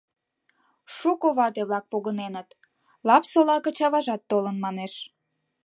Шуко вате-влак погыненыт, Лапсола гыч аважат толын, манеш.